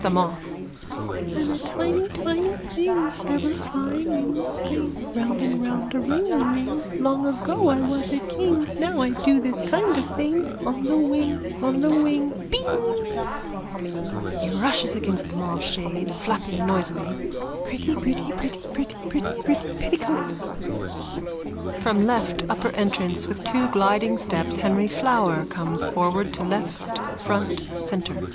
THE MOTH: I'm a tiny tiny thing Ever flying in the spring Round and round a ringaring. Long ago I was a king Now I do this kind of thing On the wing, on the wing! Bing! (He rushes against the mauve shade, flapping noisily.) Pretty pretty pretty pretty pretty pretty petticoats. _(From left upper entrance with two gliding steps Henry Flower comes forward to left front centre.